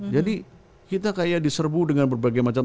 jadi kita kayak diserbu dengan berbagai macam